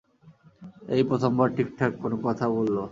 এই প্রথমবার ঠিকঠাক কোনো কথা বলল!